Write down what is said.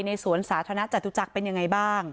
ในสวนสาธารณะจัตรุษักร์เป็นอย่างไรบ้าง